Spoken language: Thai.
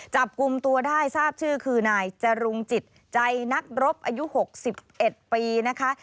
จับกลุ่มตัวได้ทราบชื่อคือนายจรุงจิตใจนักรบอายุ๖๑ปีนะคะ